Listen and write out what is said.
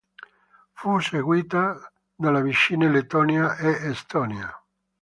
Fu seguita dalle vicine Lettonia e Estonia.